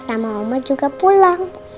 sama oma juga pulang